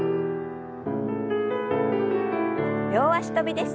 両脚跳びです。